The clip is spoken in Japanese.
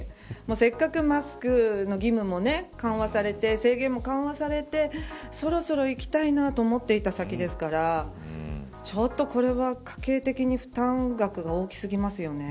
せっかくマスクの義務も緩和されて制限も緩和されてそろそろ行きたいなと思っていた矢先ですからちょっとこれは家計的に負担額が大きすぎますよね。